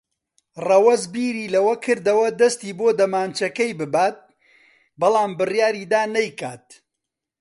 ڕەوەز بیری لەوە کردەوە دەستی بۆ دەمانچەکەی ببات، بەڵام بڕیاری دا نەیکات.